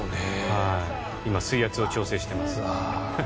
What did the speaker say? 今、水圧を調整しています。